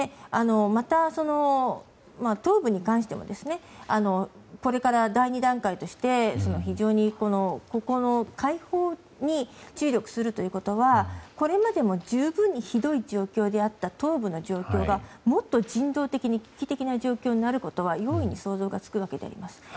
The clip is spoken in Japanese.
また、東部に関してもこれから第２段階として非常に、その解放に注力するということはこれまでも十分にひどい状況であった東部の状況が、もっと人道的に危機的な状況になることは容易に想像がつくわけです。